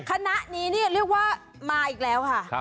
คณะนี้นี่เรียกว่ามาอีกแล้วค่ะ